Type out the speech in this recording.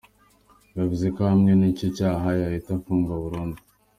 Bivuze ko ahamwe n’icyo cyaha yahita afungwa burundu.